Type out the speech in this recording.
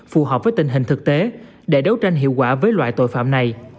phù hợp với tình hình thực tế để đấu tranh hiệu quả với loại tội phạm này